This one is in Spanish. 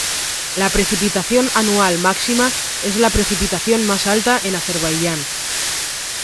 La precipitación anual máxima es la precipitación más alta en Azerbaiyán.